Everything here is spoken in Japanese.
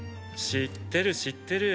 知ってる知ってる。